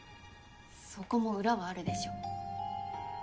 そこも裏はあるでしょ。